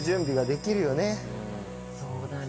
そうだね